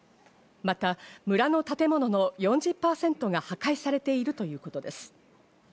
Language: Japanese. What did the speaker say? また、村の建物の４０％が破壊されているということです。